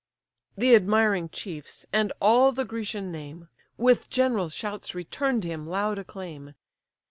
The admiring chiefs, and all the Grecian name, With general shouts return'd him loud acclaim.